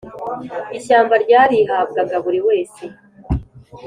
ishyamba ryarihabwaga buri wese